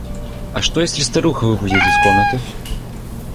А что если старуха выползет из комнаты?